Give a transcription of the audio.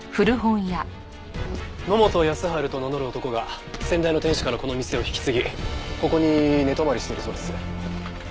野本康治と名乗る男が先代の店主からこの店を引き継ぎここに寝泊まりしているそうです。